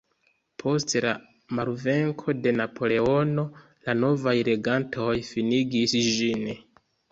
Post la malvenko de Napoleono, la novaj regantoj finigis ĝin.